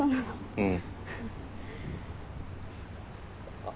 うん。